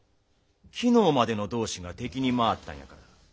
昨日までの同志が敵に回ったんやから。